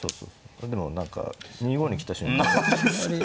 これでも何か２五に来た瞬間あんまり。